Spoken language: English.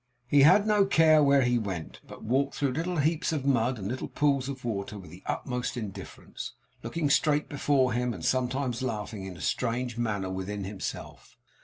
He had no care where he went, but walked through little heaps of mud and little pools of water with the utmost indifference; looking straight before him, and sometimes laughing in a strange manner within himself.